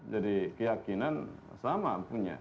jadi keyakinan sama punya